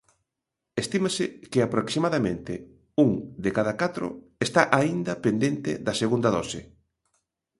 Estímase que aproximadamente un de cada catro está aínda pendente da segunda dose.